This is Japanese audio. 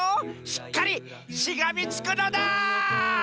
しっかりしがみつくのだ！